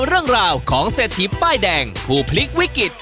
วันหนึ่งประมาณ๑๐๐๐๐บวกรบ